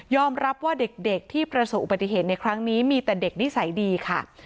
รับว่าเด็กที่ประสบอุบัติเหตุในครั้งนี้มีแต่เด็กนิสัยดีค่ะ